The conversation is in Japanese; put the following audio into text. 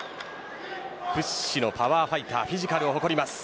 屈指のパワーファイターでフィジカルを誇ります。